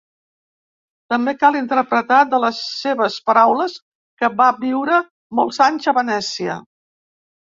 També cal interpretar de les seves paraules que va viure molts anys a Venècia.